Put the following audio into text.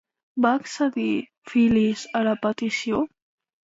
Va accedir Fil·lis a la petició?